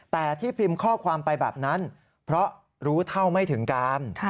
แต่ที่พิมพ์ข้อความไปแบบนั้นเพราะรู้เท่าไม่ถึงการ